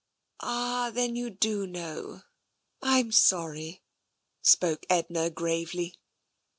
" Ah, then you do know. Fm sorry," spoke Edna gravely.